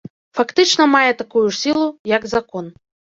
Фактычна мае такую ж сілу, як закон.